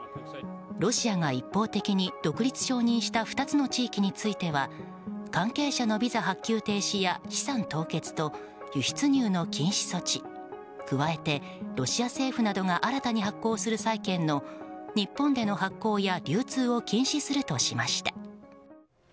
ロシアが一方的に独立承認した２つの地域については関係者のビザ発給停止や資産凍結と輸出入の禁止措置加えて、ロシア政府などが新たに発行する債券の日本での発行や流通を禁止するとしました。